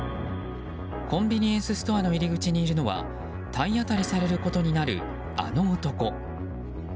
コンビニエンスストアの入り口にいるのは体当たりされることになるあの男。